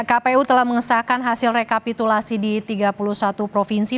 kpu telah mengesahkan hasil rekapitulasi di tiga puluh satu provinsi